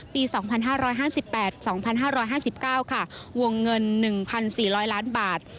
ปี๒๕๕๘๒๕๕๙ค่ะวงเงิน๑๔๐๐ล้านบาท